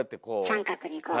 三角にこう。